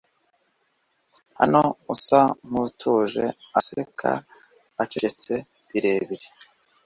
hano usa nkutuje aseka acecetse birebire